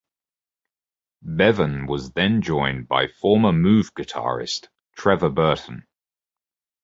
Bevan was then joined by former Move guitarist Trevor Burton.